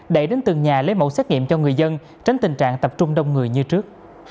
để đến từng nhà lấy mẫu xét nghiệm cho người dân tránh tình trạng tập trung đông người như trước